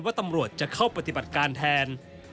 ว่าตำรวจจะเข้าปฏิบัติการแทน